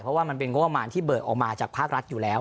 เพราะว่ามันเป็นงบประมาณที่เบิกออกมาจากภาครัฐอยู่แล้ว